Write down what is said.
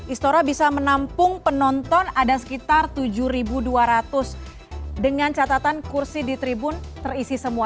istora bisa menampung penonton ada sekitar tujuh dua ratus dengan catatan kursi di tribun terisi semua